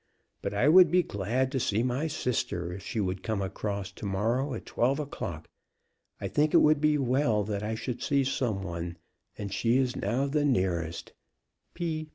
But I would be glad to see my sister, if she would come across to morrow at twelve o'clock. I think it would be well that I should see some one, and she is now the nearest.